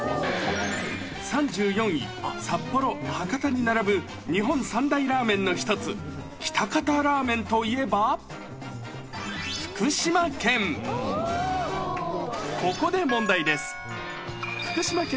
３４位、札幌、博多に並ぶ、日本三大ラーメンの一つ、喜多方ラーメンといえば、福島県。